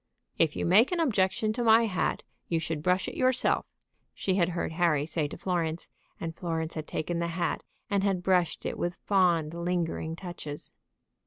"If you make objection to my hat, you should brush it yourself," she had heard Harry say to Florence, and Florence had taken the hat, and had brushed it with fond, lingering touches.